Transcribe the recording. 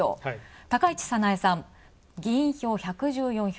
高市早苗さん、議員票１１４票。